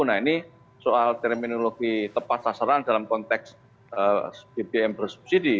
nah ini soal terminologi tepat sasaran dalam konteks bbm bersubsidi